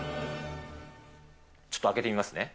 ちょっと開けてみますね。